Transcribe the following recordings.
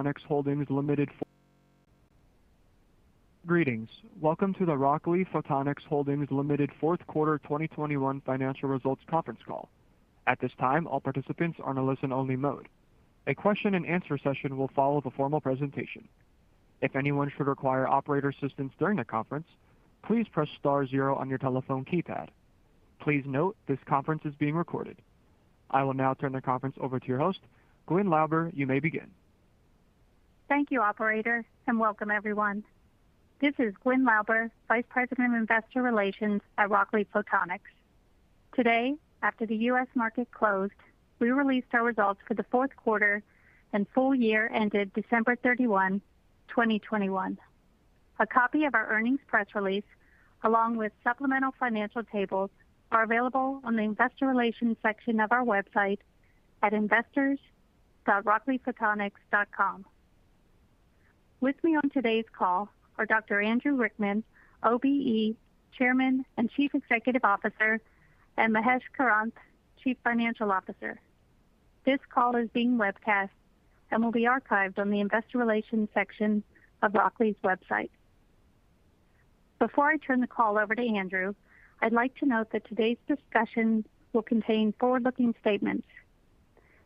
Welcome to the Rockley Photonics Holdings Limited Q4 2021 financial results conference call. At this time, all participants are in a listen-only mode. A question and answer session will follow the formal presentation. If anyone should require operator assistance during the conference, please press star zero on your telephone keypad. Please note this conference is being recorded. I will now turn the conference over to your host, Gwyn Lauber. You may begin. Thank you, operator, and welcome everyone. This is Gwyn Lauber, Vice President of Investor Relations at Rockley Photonics. Today, after the US market closed, we released our results for the Q4 and full year ended December 31, 2021. A copy of our earnings press release, along with supplemental financial tables, are available on the investor relations section of our website at investors.rockleyphotonics.com. With me on today's call are Dr. Andrew Rickman, OBE, Chairman and Chief Executive Officer, and Mahesh Karanth, Chief Financial Officer. This call is being webcast and will be archived on the investor relations section of Rockley's website. Before I turn the call over to Andrew, I'd like to note that today's discussion will contain forward-looking statements.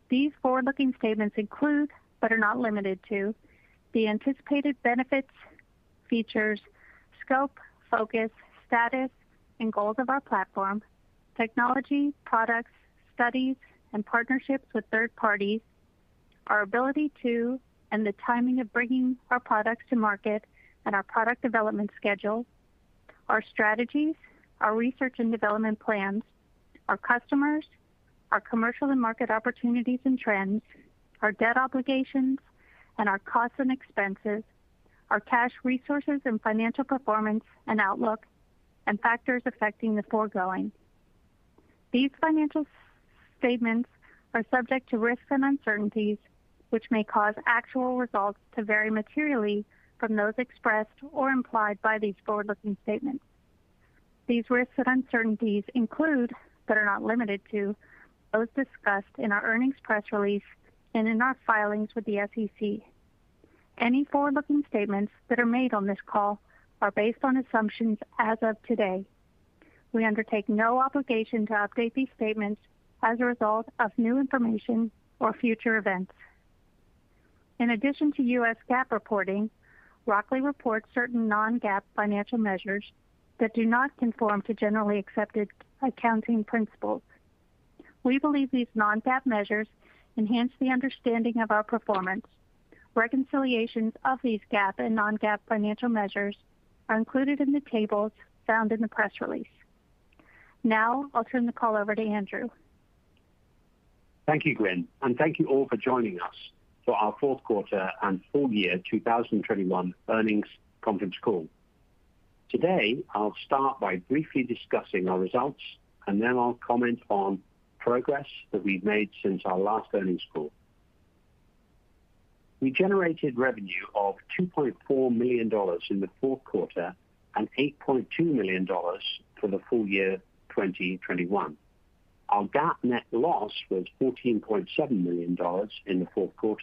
These forward-looking statements include, but are not limited to, the anticipated benefits, features, scope, focus, status, and goals of our platform, technology, products, studies, and partnerships with third parties, our ability to and the timing of bringing our products to market and our product development schedule, our strategies, our research and development plans, our customers, our commercial and market opportunities and trends, our debt obligations and our costs and expenses, our cash resources and financial performance and outlook, and factors affecting the foregoing. These financial statements are subject to risks and uncertainties which may cause actual results to vary materially from those expressed or implied by these forward-looking statements. These risks and uncertainties include, but are not limited to, those discussed in our earnings press release and in our filings with the SEC. Any forward-looking statements that are made on this call are based on assumptions as of today. We undertake no obligation to update these statements as a result of new information or future events. In addition to US GAAP reporting, Rockley reports certain non-GAAP financial measures that do not conform to generally accepted accounting principles. We believe these non-GAAP measures enhance the understanding of our performance. Reconciliations of these GAAP and non-GAAP financial measures are included in the tables found in the press release. Now, I'll turn the call over to Andrew. Thank you, Gwen, and thank you all for joining us for our Q4 and full year 2021 earnings conference call. Today, I'll start by briefly discussing our results, and then I'll comment on progress that we've made since our last earnings call. We generated revenue of $2.4 million in the Q4 and $8.2 million for the full year 2021. Our GAAP net loss was $14.7 million in the Q4,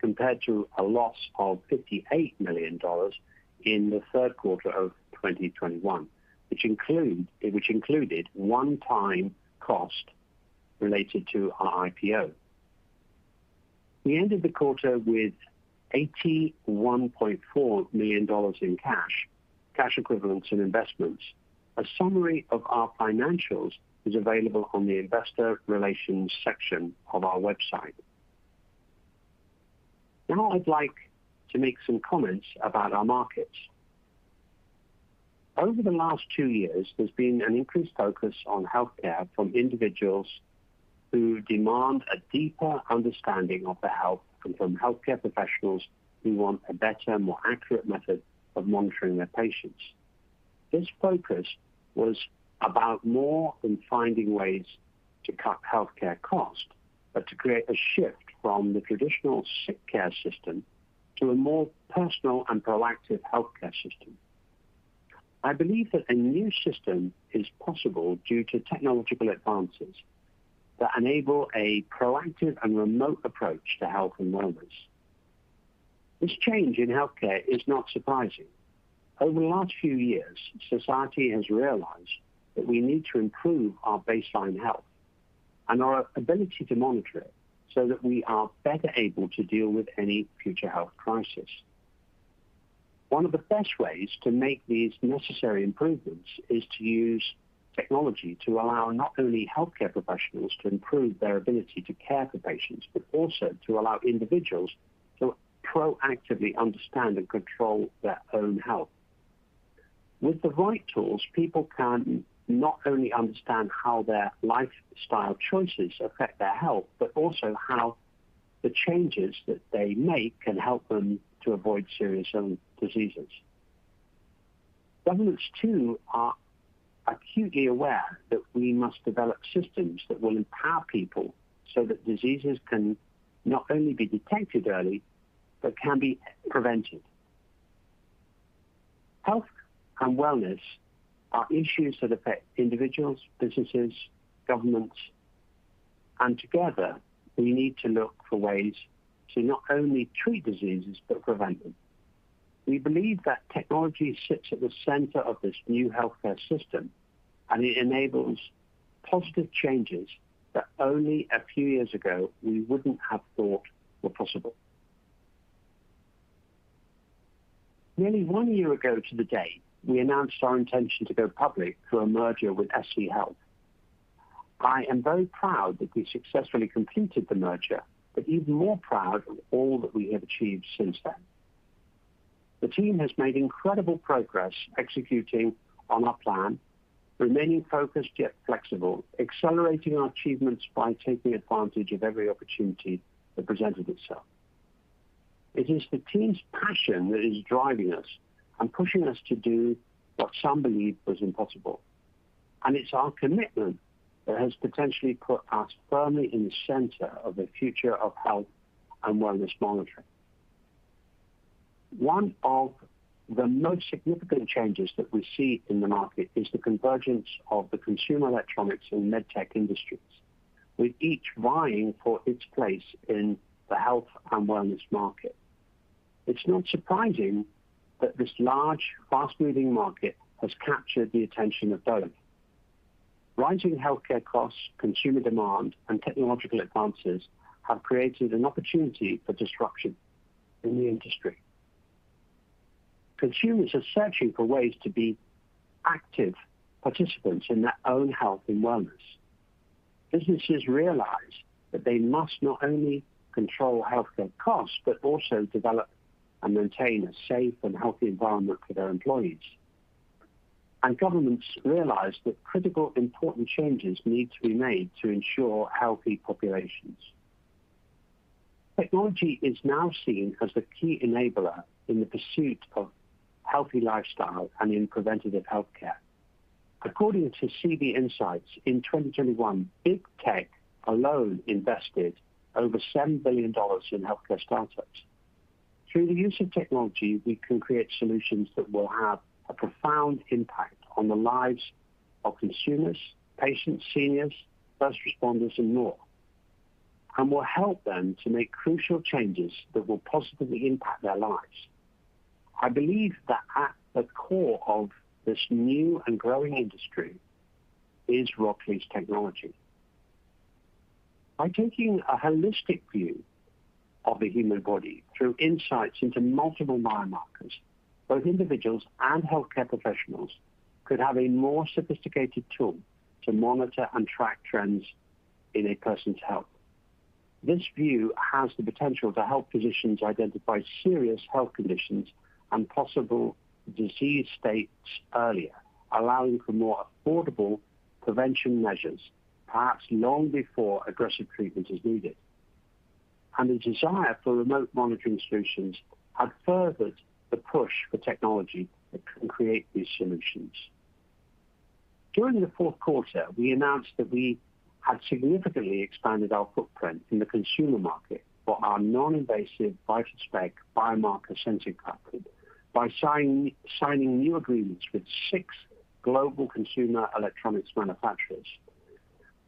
compared to a loss of $58 million in the Q3 of 2021, which included one-time cost related to our IPO. We ended the quarter with $81.4 million in cash equivalents, and investments. A summary of our financials is available on the investor relations section of our website. Now, I'd like to make some comments about our markets. Over the last two years, there's been an increased focus on healthcare from individuals who demand a deeper understanding of their health, and from healthcare professionals who want a better, more accurate method of monitoring their patients. This focus was about more than finding ways to cut healthcare costs, but to create a shift from the traditional sick care system to a more personal and proactive healthcare system. I believe that a new system is possible due to technological advances that enable a proactive and remote approach to health and wellness. This change in healthcare is not surprising. Over the last few years, society has realized that we need to improve our baseline health and our ability to monitor it so that we are better able to deal with any future health crisis. One of the best ways to make these necessary improvements is to use technology to allow not only healthcare professionals to improve their ability to care for patients, but also to allow individuals to proactively understand and control their own health. With the right tools, people can not only understand how their lifestyle choices affect their health, but also how the changes that they make can help them to avoid serious illnesses and diseases. Governments, too, are acutely aware that we must develop systems that will empower people so that diseases can not only be detected early but can be prevented. Health and wellness are issues that affect individuals, businesses, governments, and together we need to look for ways to not only treat diseases but prevent them. We believe that technology sits at the center of this new healthcare system, and it enables positive changes that only a few years ago we wouldn't have thought were possible. Nearly one year ago to the day, we announced our intention to go public through a merger with SC Health. I am very proud that we successfully completed the merger, but even more proud of all that we have achieved since then. The team has made incredible progress executing on our plan, remaining focused yet flexible, accelerating our achievements by taking advantage of every opportunity that presented itself. It is the team's passion that is driving us and pushing us to do what some believe was impossible, and it's our commitment that has potentially put us firmly in the center of the future of health and wellness monitoring. One of the most significant changes that we see in the market is the convergence of the consumer electronics and med tech industries, with each vying for its place in the health and wellness market. It's not surprising that this large, fast-moving market has captured the attention of both. Rising healthcare costs, consumer demand, and technological advances have created an opportunity for disruption in the industry. Consumers are searching for ways to be active participants in their own health and wellness. Businesses realize that they must not only control healthcare costs, but also develop and maintain a safe and healthy environment for their employees. Governments realize that critical important changes need to be made to ensure healthy populations. Technology is now seen as the key enabler in the pursuit of healthy lifestyle and in preventative healthcare. According to CB Insights, in 2021, big tech alone invested over $7 billion in healthcare startups. Through the use of technology, we can create solutions that will have a profound impact on the lives of consumers, patients, seniors, first responders, and more, and will help them to make crucial changes that will positively impact their lives. I believe that at the core of this new and growing industry is Rockley's technology. By taking a holistic view of the human body through insights into multiple biomarkers, both individuals and healthcare professionals could have a more sophisticated tool to monitor and track trends in a person's health. This view has the potential to help physicians identify serious health conditions and possible disease states earlier, allowing for more affordable prevention measures, perhaps long before aggressive treatment is needed. The desire for remote monitoring solutions have furthered the push for technology that can create these solutions. During the Q4, we announced that we had significantly expanded our footprint in the consumer market for our non-invasive VitalSpex biomarker sensing platform by signing new agreements with six global consumer electronics manufacturers.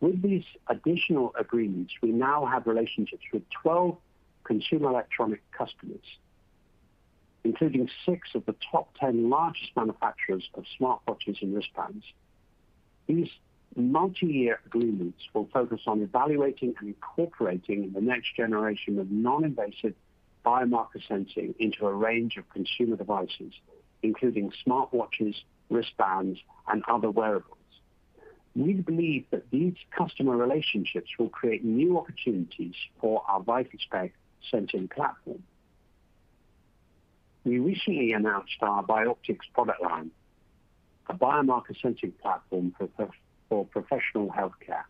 With these additional agreements, we now have relationships with 12 consumer electronics customers, including six of the top 10 largest manufacturers of smartwatches and wristbands. These multi-year agreements will focus on evaluating and incorporating the next generation of non-invasive biomarker sensing into a range of consumer devices, including smartwatches, wristbands, and other wearables. We believe that these customer relationships will create new opportunities for our VitalSpex sensing platform. We recently announced our Bioptx product line, a biomarker sensing platform for professional healthcare.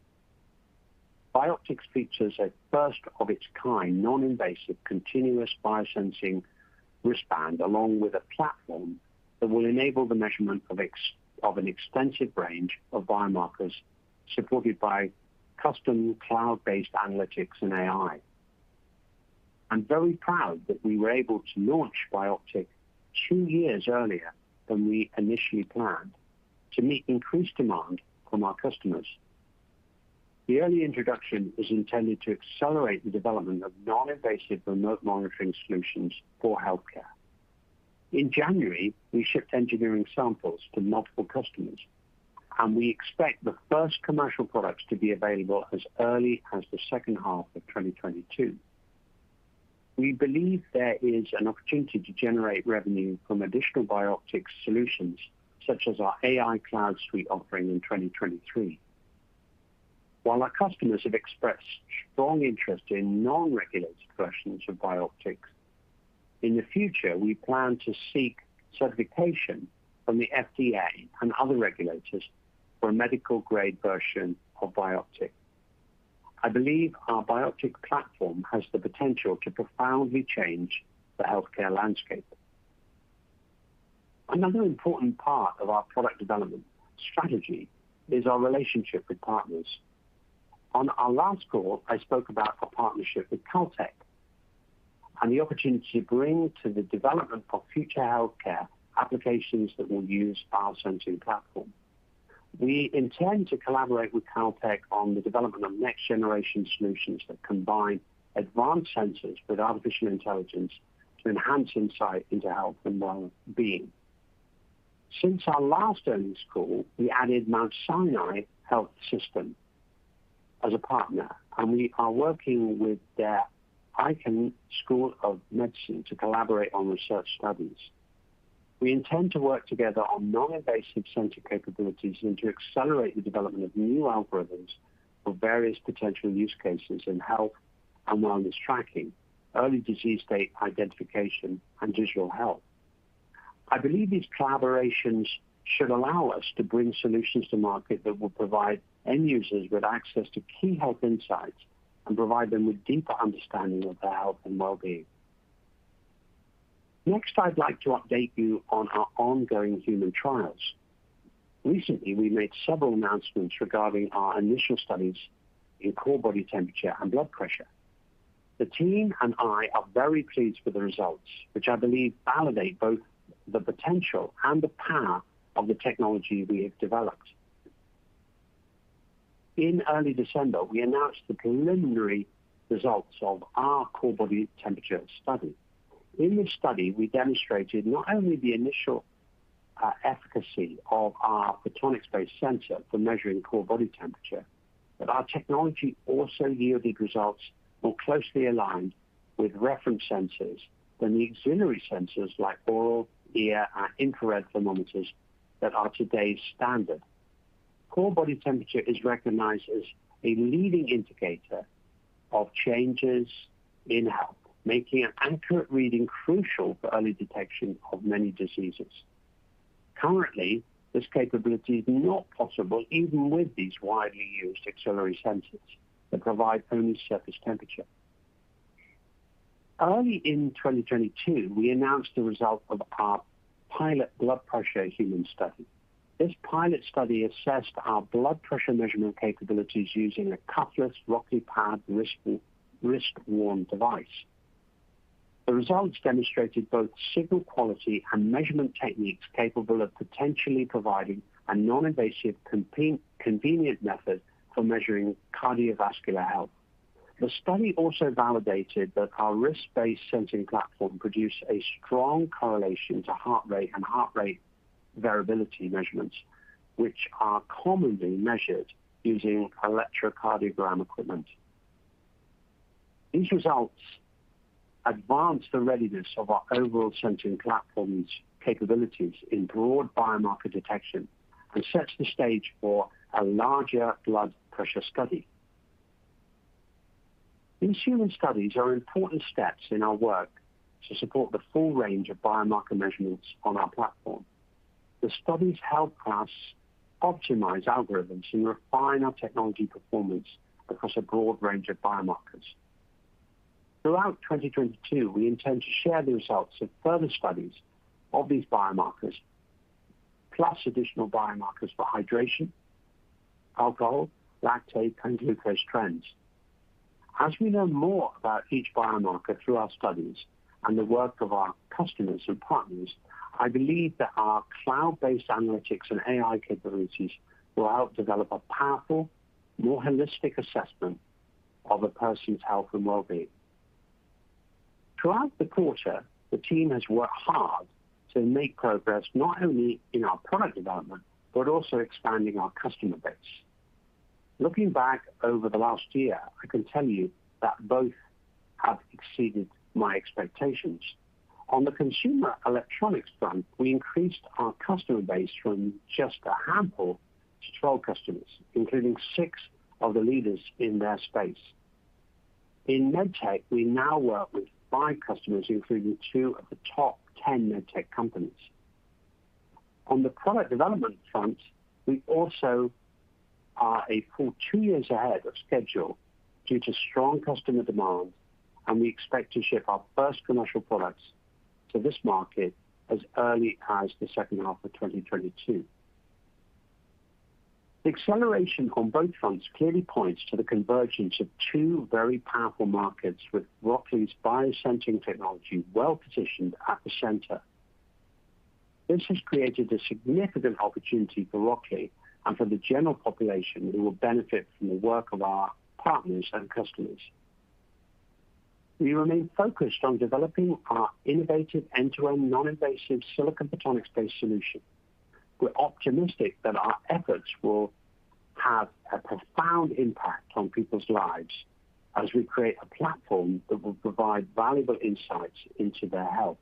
Bioptx features a first of its kind non-invasive continuous biosensing wristband, along with a platform that will enable the measurement of an extensive range of biomarkers supported by custom cloud-based analytics and AI. I'm very proud that we were able to launch Bioptx two years earlier than we initially planned to meet increased demand from our customers. The early introduction is intended to accelerate the development of non-invasive remote monitoring solutions for healthcare. In January, we shipped engineering samples to multiple customers, and we expect the first commercial products to be available as early as the second half of 2022. We believe there is an opportunity to generate revenue from additional Bioptx solutions such as our AI cloud suite offering in 2023. While our customers have expressed strong interest in non-regulated versions of Bioptx, in the future, we plan to seek certification from the FDA and other regulators for a medical-grade version of Bioptx. I believe our Bioptx platform has the potential to profoundly change the healthcare landscape. Another important part of our product development strategy is our relationship with partners. On our last call, I spoke about our partnership with Caltech and the opportunity to bring to the development of future healthcare applications that will use our sensing platform. We intend to collaborate with Caltech on the development of next-generation solutions that combine advanced sensors with artificial intelligence to enhance insight into health and well-being. Since our last earnings call, we added Mount Sinai Health System as a partner, and we are working with their Icahn School of Medicine to collaborate on research studies. We intend to work together on non-invasive sensor capabilities and to accelerate the development of new algorithms for various potential use cases in health and wellness tracking, early disease state identification, and digital health. I believe these collaborations should allow us to bring solutions to market that will provide end users with access to key health insights and provide them with deeper understanding of their health and well-being. Next, I'd like to update you on our ongoing human trials. Recently, we made several announcements regarding our initial studies in core body temperature and blood pressure. The team and I are very pleased with the results, which I believe validate both the potential and the power of the technology we have developed. In early December, we announced the preliminary results of our core body temperature study. In this study, we demonstrated not only the initial efficacy of our photonics-based sensor for measuring core body temperature, but our technology also yielded results more closely aligned with reference sensors than the auxiliary sensors like oral, ear, and infrared thermometers that are today's standard. Core body temperature is recognized as a leading indicator of changes in health, making an accurate reading crucial for early detection of many diseases. Currently, this capability is not possible even with these widely used auxiliary sensors that provide only surface temperature. Early in 2022, we announced the result of our pilot blood pressure human study. This pilot study assessed our blood pressure measurement capabilities using a cuffless Rockley Pad wrist-worn device. The results demonstrated both signal quality and measurement techniques capable of potentially providing a non-invasive, convenient method for measuring cardiovascular health. The study also validated that our wrist-based sensing platform produced a strong correlation to heart rate and heart rate variability measurements, which are commonly measured using electrocardiogram equipment. These results advance the readiness of our overall sensing platform's capabilities in broad biomarker detection and sets the stage for a larger blood pressure study. These human studies are important steps in our work to support the full range of biomarker measurements on our platform. The studies help us optimize algorithms and refine our technology performance across a broad range of biomarkers. Throughout 2022, we intend to share the results of further studies of these biomarkers, plus additional biomarkers for hydration, alcohol, lactate, and glucose trends. As we learn more about each biomarker through our studies and the work of our customers and partners, I believe that our cloud-based analytics and AI capabilities will help develop a powerful, more holistic assessment of a person's health and well-being. Throughout the quarter, the team has worked hard to make progress not only in our product development, but also expanding our customer base. Looking back over the last year, I can tell you that both have exceeded my expectations. On the consumer electronics front, we increased our customer base from just a handful to 12 customers, including six of the leaders in their space. In med tech, we now work with five customers, including two of the top 10 med tech companies. On the product development front, we also are a full two years ahead of schedule due to strong customer demand, and we expect to ship our first commercial products to this market as early as the second half of 2022. The acceleration on both fronts clearly points to the convergence of two very powerful markets, with Rockley's biosensing technology well-positioned at the center. This has created a significant opportunity for Rockley and for the general population who will benefit from the work of our partners and customers. We remain focused on developing our innovative end-to-end non-invasive silicon photonics-based solution. We're optimistic that our efforts will have a profound impact on people's lives as we create a platform that will provide valuable insights into their health.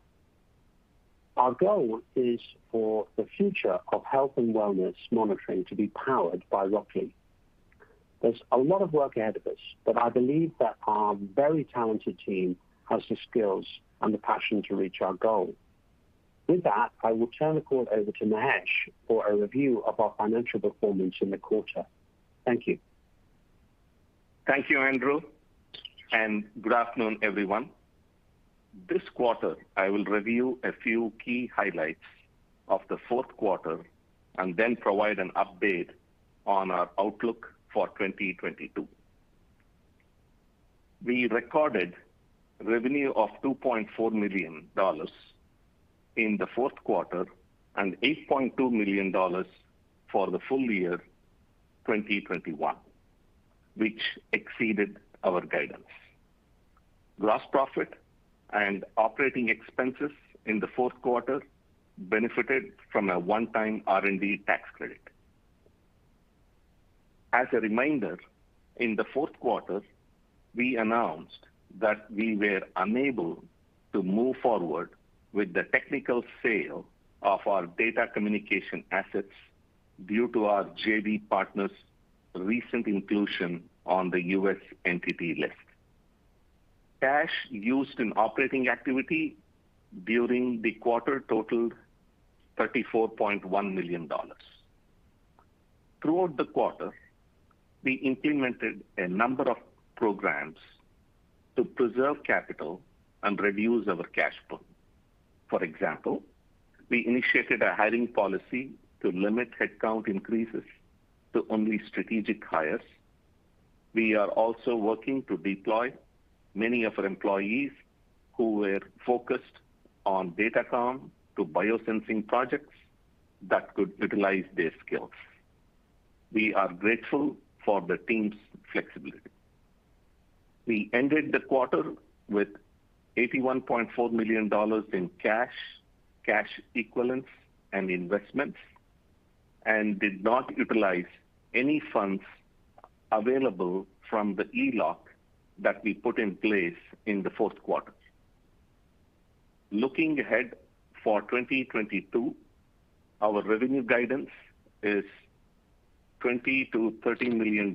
Our goal is for the future of health and wellness monitoring to be powered by Rockley. There's a lot of work ahead of us, but I believe that our very talented team has the skills and the passion to reach our goal. With that, I will turn the call over to Mahesh for a review of our financial performance in the quarter. Thank you. Thank you, Andrew, and good afternoon, everyone. This quarter, I will review a few key highlights of the Q4 and then provide an update on our outlook for 2022. We recorded revenue of $2.4 million in the Q4 and $8.2 million for the full year 2021, which exceeded our guidance. Gross profit and operating expenses in the Q4 benefited from a one-time R&D tax credit. As a reminder, in the Q4, we announced that we were unable to move forward with the technical sale of our data communication assets due to our JV partner's recent inclusion on the US Entity List. Cash used in operating activity during the quarter totaled $34.1 million. Throughout the quarter, we implemented a number of programs to preserve capital and reduce our cash burn. For example, we initiated a hiring policy to limit headcount increases to only strategic hires. We are also working to deploy many of our employees who were focused on Datacom to biosensing projects that could utilize their skills. We are grateful for the team's flexibility. We ended the quarter with $81.4 million in cash equivalents, and investments, and did not utilize any funds available from the ELOC that we put in place in the Q4. Looking ahead for 2022, our revenue guidance is $20 million-$30 million,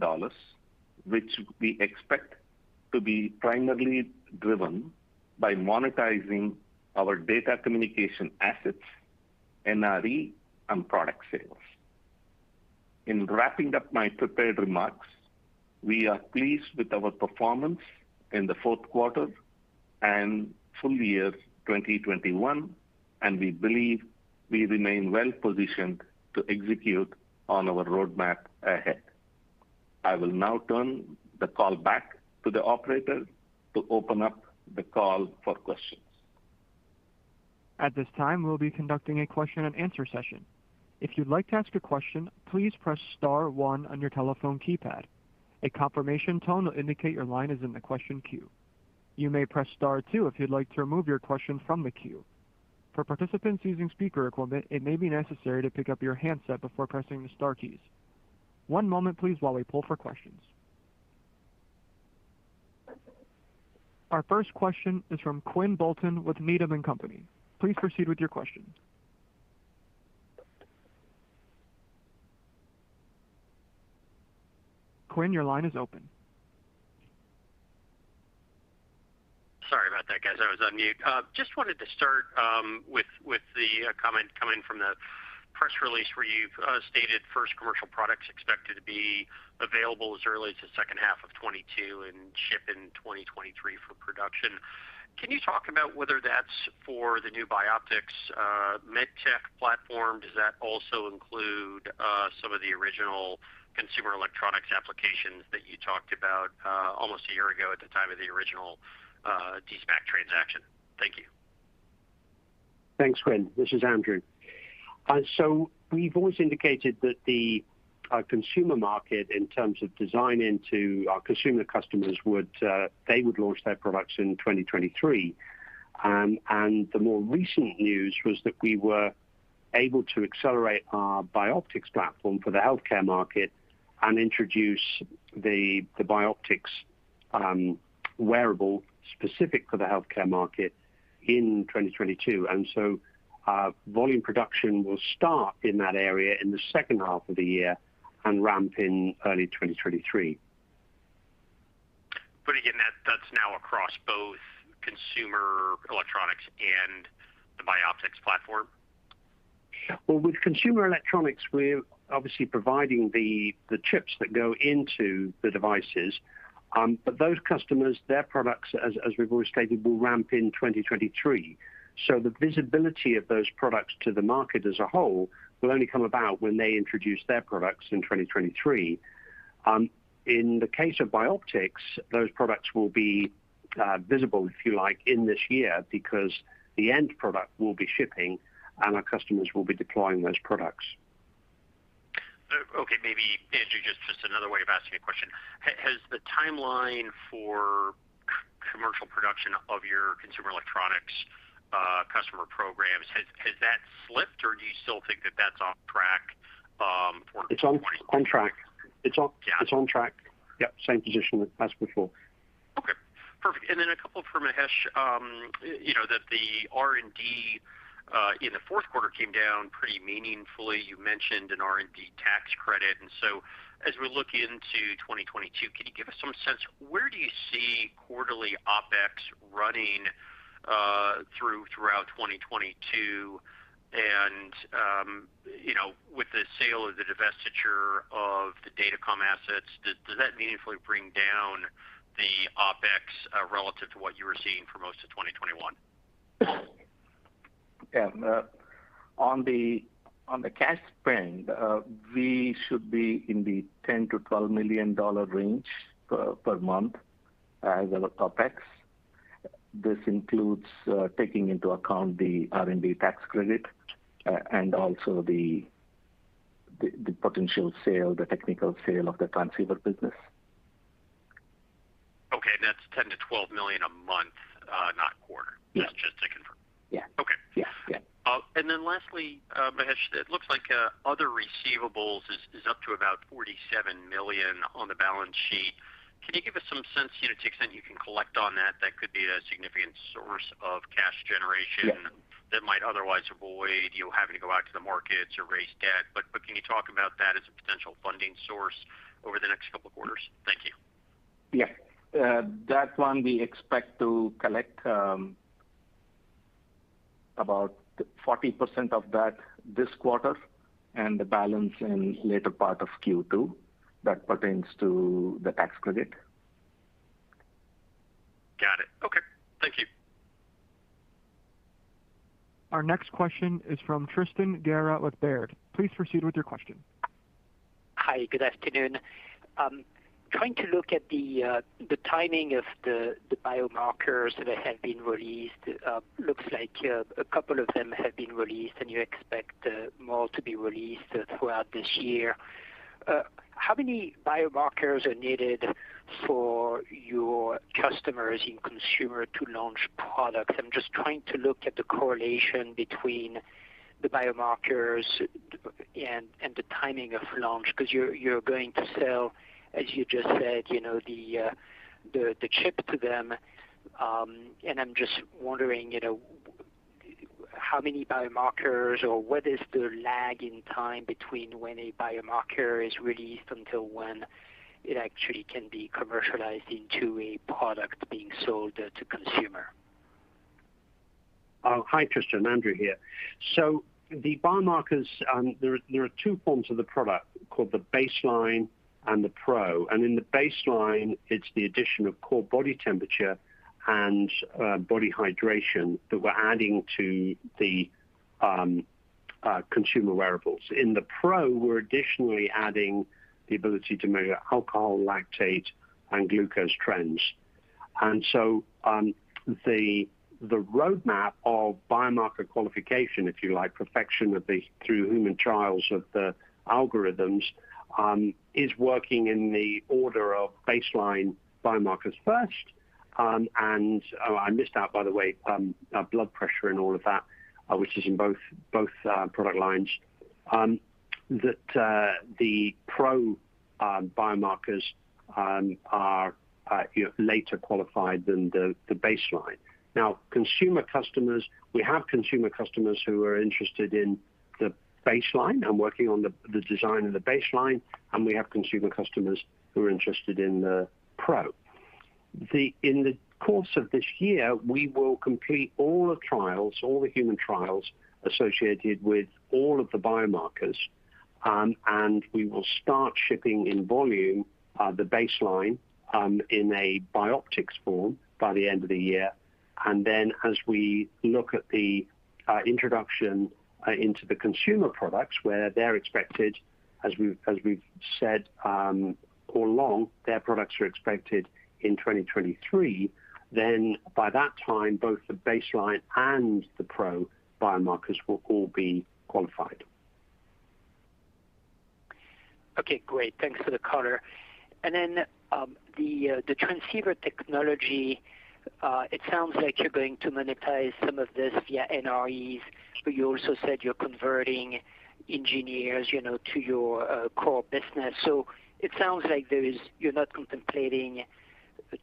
which we expect to be primarily driven by monetizing our data communication assets, NRE, and product sales. In wrapping up my prepared remarks, we are pleased with our performance in the Q4 and full year 2021, and we believe we remain well-positioned to execute on our roadmap ahead. I will now turn the call back to the operator to open up the call for questions. At this time, we'll be conducting a question and answer session. If you'd like to ask a question, please press star one on your telephone keypad. A confirmation tone will indicate your line is in the question queue. You may press star two if you'd like to remove your question from the queue. For participants using speaker equipment, it may be necessary to pick up your handset before pressing the star keys. One moment please while we poll for questions. Our first question is from Quinn Bolton with Needham & Company. Please proceed with your question. Quinn, your line is open. Sorry about that, guys. I was on mute. Just wanted to start with the comment coming from the press release where you've stated first commercial products expected to be available as early as the second half of 2022 and ship in 2023 for production. Can you talk about whether that's for the new Bioptx med tech platform? Does that also include some of the original consumer electronics applications that you talked about almost a year ago at the time of the original de-SPAC transaction? Thank you. Thanks, Quinn. This is Andrew. We've always indicated that the consumer market in terms of design into our consumer customers they would launch their products in 2023. The more recent news was that we were able to accelerate our Bioptx platform for the healthcare market and introduce the Bioptx wearable specific for the healthcare market in 2022. Volume production will start in that area in the second half of the year and ramp in early 2023. again, that's now across both consumer electronics and the Bioptx platform? Well, with consumer electronics, we're obviously providing the chips that go into the devices, but those customers, their products, as we've always stated, will ramp in 2023. The visibility of those products to the market as a whole will only come about when they introduce their products in 2023. In the case of Bioptx, those products will be visible, if you like, in this year because the end product will be shipping, and our customers will be deploying those products. Okay. Maybe, Andrew, just another way of asking a question. Has the timeline for commercial production of your consumer electronics customer programs, has that slipped, or do you still think that that's on track, for- It's on track. Yeah. It's on track. Yep. Same position as before. Okay, perfect. A couple for Mahesh. You know that the R&D in the Q4 came down pretty meaningfully. You mentioned an R&D tax credit. As we look into 2022, can you give us some sense where you see quarterly OpEx running throughout 2022? You know, with the sale or the divestiture of the Datacom assets, does that meaningfully bring down the OpEx relative to what you were seeing for most of 2021? Yeah. On the cash spend, we should be in the $10 million-$12 million range per month as an OpEx. This includes taking into account the R&D tax credit, and also the potential sale, the technical sale of the transceiver business. Okay. That's $10 million-$12 million a month, not quarter. Yeah. Just to confirm. Yeah. Okay. Yeah. Yeah. Lastly, Mahesh, it looks like other receivables is up to about $47 million on the balance sheet. Can you give us some sense, you know, to the extent you can collect on that could be a significant source of cash generation? Yeah. that might otherwise avoid you having to go out to the markets or raise debt. But can you talk about that as a potential funding source over the next couple of quarters? Thank you. That one we expect to collect about 40% of that this quarter and the balance in later part of Q2. That pertains to the tax credit. Got it. Okay. Thank you. Our next question is from Tristan Gerra with Baird. Please proceed with your question. Hi. Good afternoon. I'm trying to look at the timing of the biomarkers that have been released. Looks like a couple of them have been released and you expect more to be released throughout this year. How many biomarkers are needed for your customers in consumer to launch products? I'm just trying to look at the correlation between the biomarkers and the timing of launch, 'cause you're going to sell, as you just said, you know, the chip to them. And I'm just wondering, you know, how many biomarkers or what is the lag in time between when a biomarker is released until when it actually can be commercialized into a product being sold to consumer? Hi, Tristan. Andrew here. The biomarkers, there are two forms of the product called the Baseline and the Pro. In the Baseline, it's the addition of core body temperature and body hydration that we're adding to the consumer wearables. In the Pro, we're additionally adding the ability to measure alcohol, lactate, and glucose trends. The roadmap of biomarker qualification, if you like, perfection through human trials of the algorithms, is working in the order of Baseline biomarkers first, and oh, I missed out, by the way, blood pressure and all of that, which is in both product lines. The Pro biomarkers are, you know, later qualified than the Baseline. Now, consumer customers, we have consumer customers who are interested in the Baseline and working on the design of the Baseline, and we have consumer customers who are interested in the Pro. In the course of this year, we will complete all the trials, all the human trials associated with all of the biomarkers, and we will start shipping in volume the Baseline in a Bioptx form by the end of the year. As we look at the introduction into the consumer products where they're expected, as we've said all along, their products are expected in 2023. By that time, both the Baseline and the Pro biomarkers will all be qualified. Okay. Great. Thanks for the color. Then, the transceiver technology, it sounds like you're going to monetize some of this via NREs, but you also said you're converting engineers, you know, to your core business. It sounds like you're not contemplating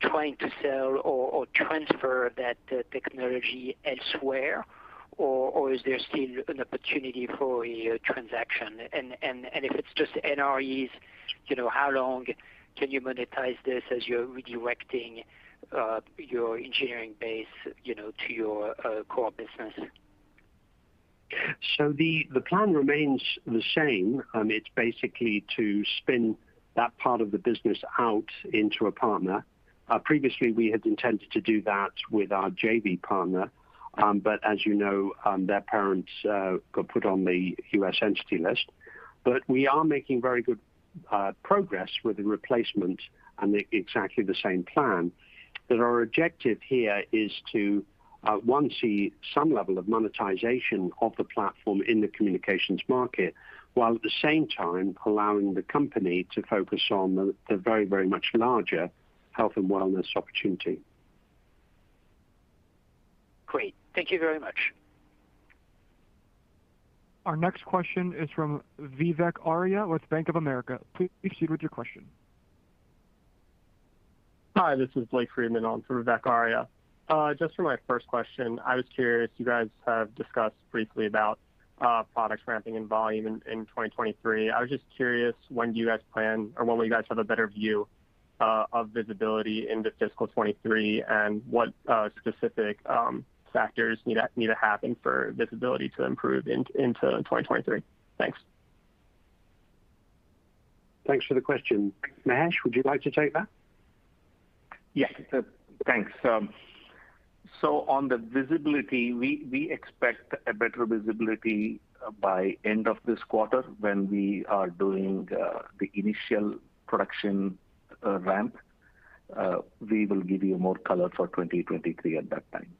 trying to sell or transfer that technology elsewhere or is there still an opportunity for a transaction? If it's just NREs, you know, how long can you monetize this as you're redirecting your engineering base, you know, to your core business? The plan remains the same. It's basically to spin that part of the business out into a partner. Previously we had intended to do that with our JV partner, but as you know, their parent got put on the U.S. Entity List. We are making very good progress with the replacement and the exact same plan, that our objective here is to one, see some level of monetization of the platform in the communications market, while at the same time allowing the company to focus on the very, very much larger health and wellness opportunity. Great. Thank you very much. Our next question is from Vivek Arya with Bank of America. Please proceed with your question. Hi, this is Blake Friedman on for Vivek Arya. Just for my first question, I was curious. You guys have discussed briefly about product ramping and volume in 2023. I was just curious when do you guys plan or when will you guys have a better view. On visibility into FY 2023 and what specific factors need to happen for visibility to improve into 2023. Thanks. Thanks for the question. Mahesh, would you like to take that? Yes. Thanks. On the visibility, we expect a better visibility by end of this quarter when we are doing the initial production ramp. We will give you more color for 2023 at that time.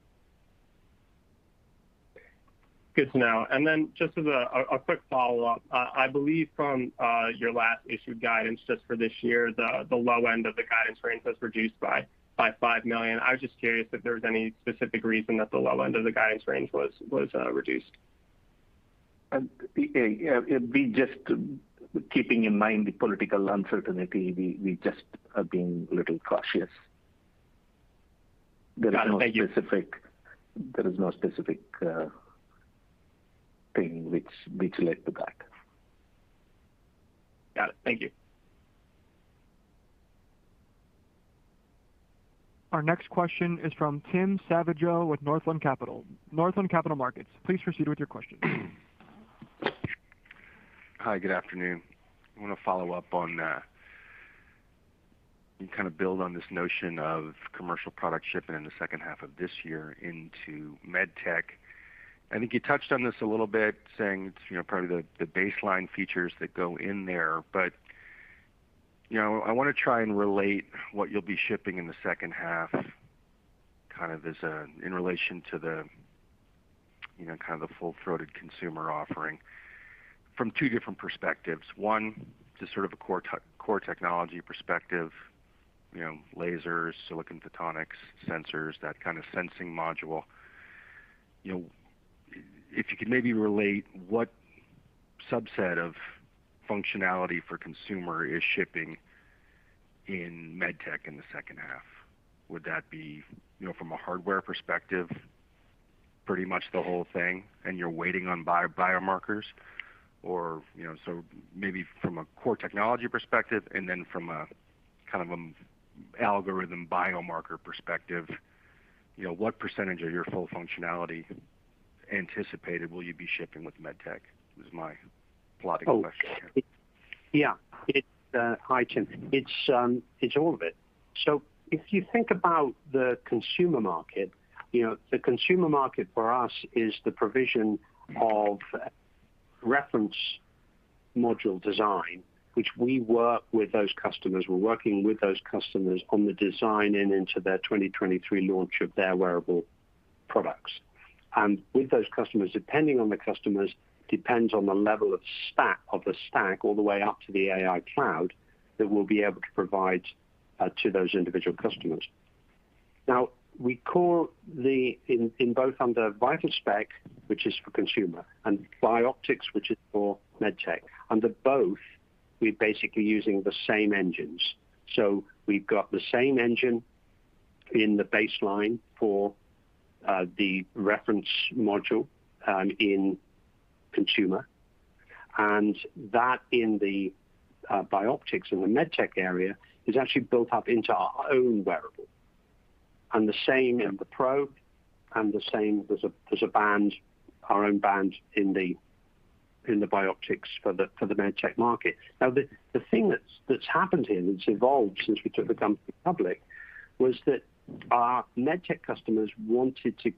Good to know. Just as a quick follow-up, I believe from your last issued guidance just for this year, the low end of the guidance range was reduced by $5 million. I was just curious if there was any specific reason that the low end of the guidance range was reduced. We're just keeping in mind the political uncertainty. We're just being a little cautious. Got it. Thank you. There is no specific thing which led to that. Got it. Thank you. Our next question is from Tim Savageaux with Northland Capital Markets. Please proceed with your question. Hi. Good afternoon. I want to follow up on and kind of build on this notion of commercial product shipping in the second half of this year into med tech. I think you touched on this a little bit saying it's, you know, probably the Baseline features that go in there. But, you know, I wanna try and relate what you'll be shipping in the second half kind of in relation to the, you know, kind of the full-throated consumer offering from two different perspectives. One, just sort of a core technology perspective, you know, lasers, silicon photonics, sensors, that kind of sensing module. You know, if you could maybe relate what subset of functionality for consumer is shipping in med tech in the second half. Would that be, you know, from a hardware perspective, pretty much the whole thing and you're waiting on biomarkers? Or, you know, so maybe from a core technology perspective and then from a kind of algorithm biomarker perspective, you know, what percentage of your full functionality anticipated will you be shipping with med tech? That was my question here. Hi, Tim. It's all of it. If you think about the consumer market, you know, the consumer market for us is the provision of reference module design, which we work with those customers. We're working with those customers on the design and into their 2023 launch of their wearable products. With those customers, depending on the customers, depends on the level of stack all the way up to the AI cloud that we'll be able to provide to those individual customers. Now, in both under VitalSpex, which is for consumer, and Bioptx, which is for med tech, under both, we're basically using the same engines. We've got the same engine in the Baseline for the reference module in consumer. That in the Bioptx in the med tech area is actually built up into our own wearable. The same in the Pro and the same there's a band, our own band in the Bioptx for the med tech market. The thing that's happened here and it's evolved since we took the company public was that our med tech customers wanted to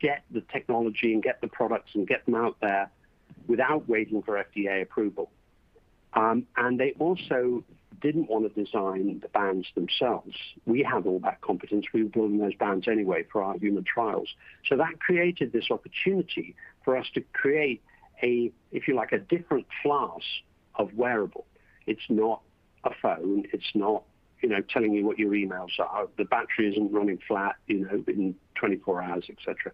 get the technology and get the products and get them out there without waiting for FDA approval. They also didn't wanna design the bands themselves. We have all that competence. We were building those bands anyway for our human trials. That created this opportunity for us to create a, if you like, a different class of wearable. It's not a phone, it's not telling you what your emails are. The battery isn't running flat, you know, in 24 hours, et cetera.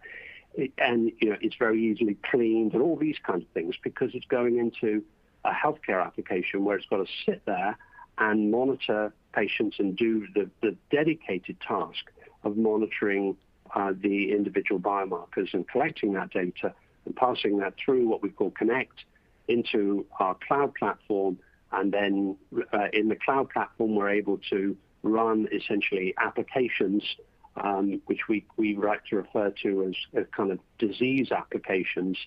It, you know, it's very easily cleaned and all these kinds of things because it's going into a healthcare application where it's gotta sit there and monitor patients and do the dedicated task of monitoring the individual biomarkers and collecting that data and passing that through what we call connect into our cloud platform. Then, in the cloud platform, we're able to run essentially applications, which we like to refer to as a kind of disease applications.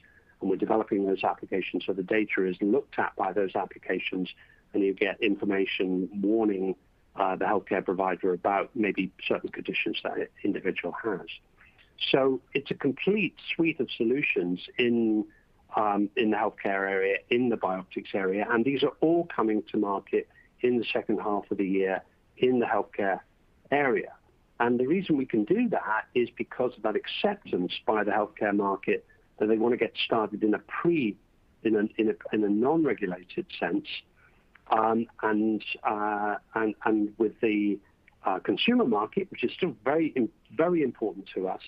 We're developing those applications so the data is looked at by those applications, and you get information warning the healthcare provider about maybe certain conditions that a individual has. It's a complete suite of solutions in the healthcare area, in the Bioptx area, and these are all coming to market in the second half of the year in the healthcare area. The reason we can do that is because of that acceptance by the healthcare market, that they wanna get started in a non-regulated sense. With the consumer market, which is still very important to us,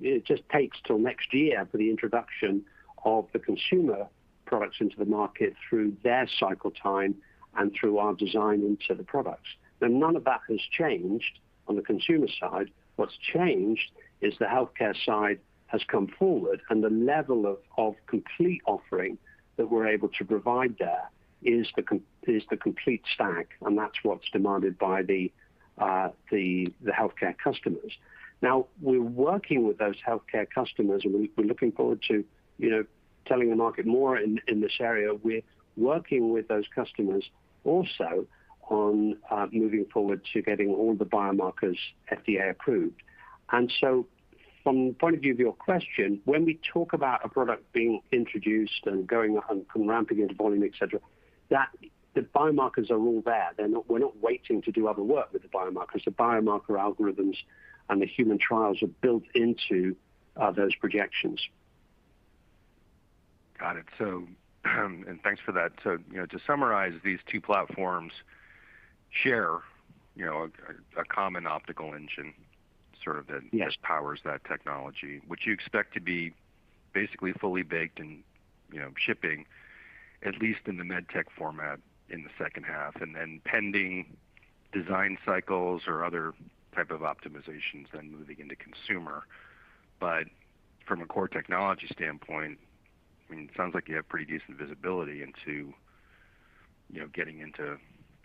it just takes till next year for the introduction of the consumer products into the market through their cycle time and through our design into the products. Now none of that has changed on the consumer side. What's changed is the healthcare side has come forward, and the level of complete offering that we're able to provide there is the complete stack, and that's what's demanded by the healthcare customers. Now, we're working with those healthcare customers, and we're looking forward to, you know, telling the market more in this area. We're working with those customers also on moving forward to getting all the biomarkers FDA approved. From the point of view of your question, when we talk about a product being introduced and going and ramping into volume, et cetera, that the biomarkers are all there. We're not waiting to do other work with the biomarkers. The biomarker algorithms and the human trials are built into those projections. Got it. Thanks for that. You know, to summarize, these two platforms share, you know, a common optical engine sort of that. Yes. Just powers that technology. Which you expect to be basically fully baked and, you know, shipping at least in the med tech format in the second half, and then pending design cycles or other type of optimizations then moving into consumer. But from a core technology standpoint, I mean, it sounds like you have pretty decent visibility into, you know, getting into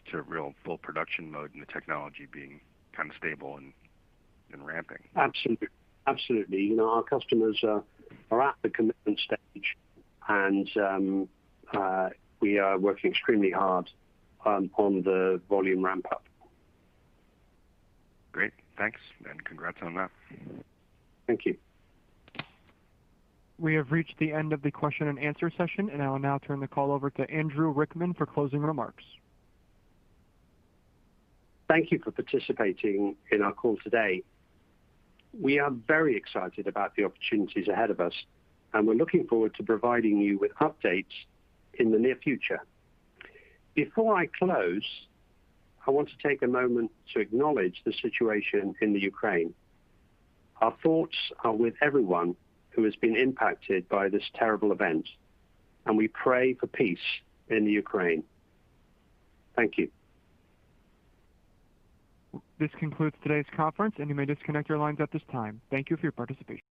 sort of real full production mode and the technology being kind of stable and ramping. Absolutely. You know, our customers are at the commitment stage, and we are working extremely hard on the volume ramp up. Great. Thanks, and congrats on that. Thank you. We have reached the end of the question and answer session, and I will now turn the call over to Andrew Rickman for closing remarks. Thank you for participating in our call today. We are very excited about the opportunities ahead of us, and we're looking forward to providing you with updates in the near future. Before I close, I want to take a moment to acknowledge the situation in Ukraine. Our thoughts are with everyone who has been impacted by this terrible event, and we pray for peace in Ukraine. Thank you. This concludes today's conference, and you may disconnect your lines at this time. Thank you for your participation.